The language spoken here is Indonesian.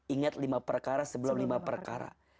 ingat lima perkara sebelum lima perkara